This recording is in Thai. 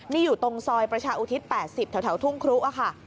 นี่อยู่ตรงซอยประชาอุทิศ๘๐แถวทุ่งครุค่ะ